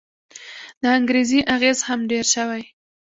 د انګرېزي اغېز هم ډېر شوی.